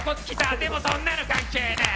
でもそんなの関係ねえ！